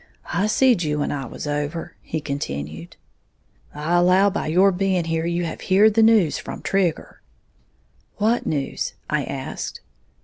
"I seed you when I was over," he continued. "I allow by your being here you have heared the news from Trigger." "What news?" I asked.